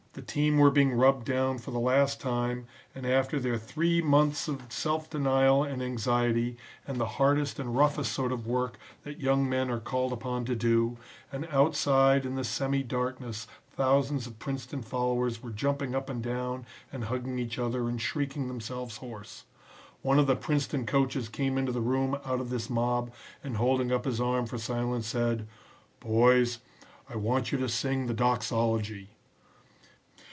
The team were being rubbed down for the last time and after their three months of self denial and anxiety and the hardest and roughest sort of work that young men are called upon to do, and outside in the semi darkness thousands of Princeton followers were jumping up and down and hugging each other and shrieking themselves hoarse. One of the Princeton coaches came into the room out of this mob, and holding up his arm for silence said, "'Boys, I want you to sing the doxology.'"